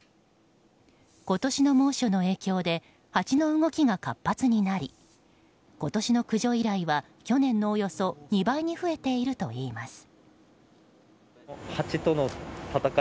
今年の猛暑の影響でハチの動きが活発になり今年の駆除依頼は去年のおよそ２倍に増えているといいます。